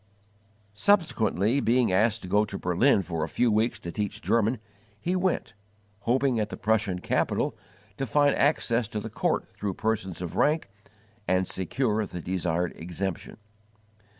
Subsequently being asked to go to Berlin for a few weeks to teach German, he went, hoping at the Prussian capital to find access to the court through persons of rank and secure the desired exemption.